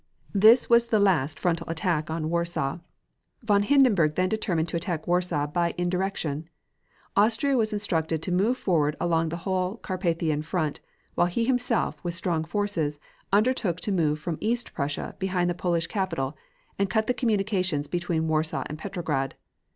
This was the last frontal attack upon Warsaw. Von Hindenburg then determined to attack Warsaw by indirection. Austria was instructed to move forward along the whole Carpathian front, while he himself, with strong forces, undertook to move from East Prussia behind the Polish capital, and cut the communications between Warsaw and Petrograd.